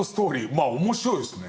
まあ面白いですね。